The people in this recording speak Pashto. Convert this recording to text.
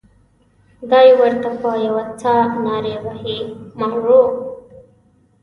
دای ورته په یوه ساه نارې وهي مارو.